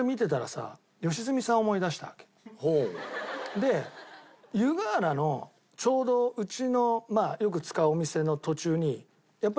で湯河原のちょうどうちのよく使うお店の途中に。